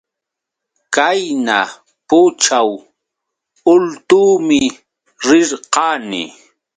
Qayna pućhaw ultuumi rirqani.